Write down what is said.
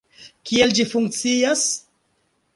Kiel ĝi funkcias?